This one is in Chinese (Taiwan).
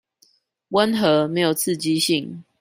溫和沒有刺激性